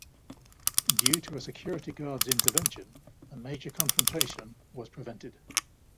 Due to a security guard's intervention, a major confrontation was prevented.